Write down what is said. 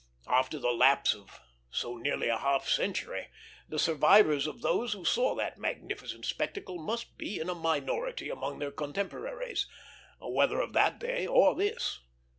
After the lapse of so nearly a half century, the survivors of those who saw that magnificent spectacle must be in a minority among their contemporaries, whether of that day or this.